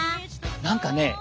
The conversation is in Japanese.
何かね